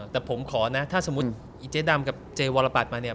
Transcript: แต่ผมขอนะถ้าสมมุติอีเจ๊ดำกับเจวรปัตรมาเนี่ย